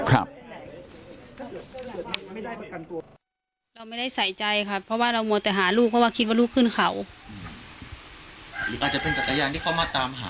เราไม่ได้ใส่ใจค่ะเพราะว่าเรามัวแต่หาลูกเพราะว่าคิดว่าลูกขึ้นเขา